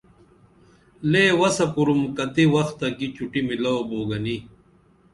لے وسہ کُرُم کتی وخہ کی چُٹی میلاو بوگنی